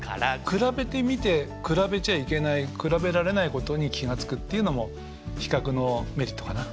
比べてみて比べちゃいけない比べられないことに気が付くっていうのも比較のメリットかな。